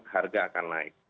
harga akan naik